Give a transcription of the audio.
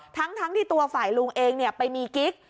ทั้งที่ตัวฝ่ายลุงเองไปมีกิ๊ก